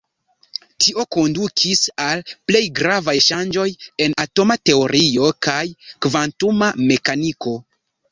Tio kondukis al plej gravaj ŝanĝoj en atoma teorio kaj kvantuma mekaniko.